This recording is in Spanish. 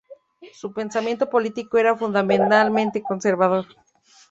Su pensamiento político era fundamentalmente conservador.